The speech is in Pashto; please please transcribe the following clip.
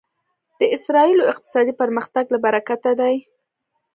د اسرایلو اقتصادي پرمختګ له برکته دی.